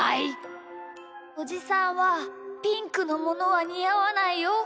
おじさんはピンクのものはにあわないよ。